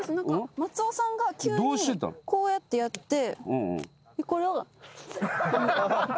松尾さんが急にこうやってやってこれを。